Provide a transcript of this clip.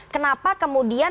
kenapa kemudian tidak